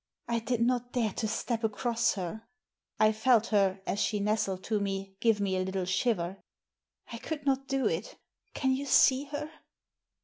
" I did not dare to step across her." I felt her, as she nestled to me, give me a little shiver. " I could not do it. Can you see her